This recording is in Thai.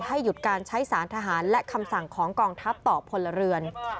หยุดการใช้สารทหารและคำสั่งของกองทัพต่อพลเรือน